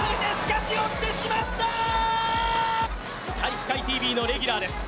「体育会ＴＶ」のレギュラーです。